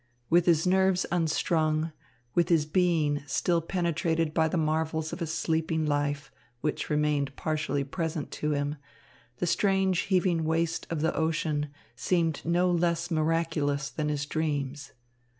With his nerves unstrung, with his being still penetrated by the marvels of his sleeping life, which remained partially present to him, the strange heaving waste of the ocean seemed no less miraculous than his dreams.